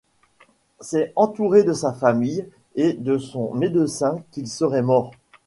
C'est entouré de sa famille et de son médecin qu'il serait mort.